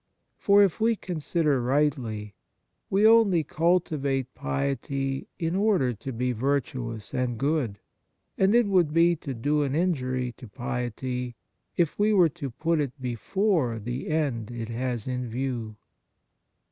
For, if we consider rightly, we only cultivate piety in order to be virtuous and good; and it would be to do an injury to piety if we were to put it before the end it has in view.